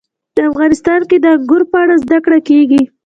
افغانستان کې د انګور په اړه زده کړه کېږي.